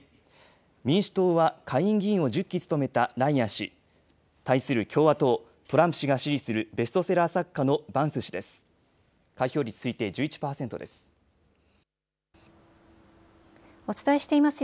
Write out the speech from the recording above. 民主党は下院議員を１０期務めたライアン氏、対する共和党、トランプ氏が支持するベストセラー作家のバンス氏です。